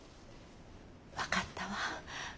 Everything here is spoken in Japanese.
分かったわ。